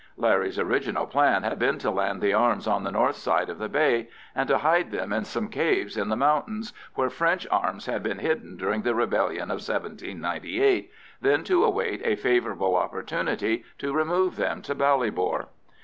Larry's original plan had been to land the arms on the north side of the bay, and to hide them in some caves in the mountains, where French arms had been hidden during the rebellion of 1798, then to await a favourable opportunity to remove them to Ballybor.